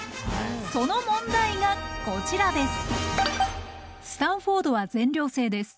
その問題がこちらです。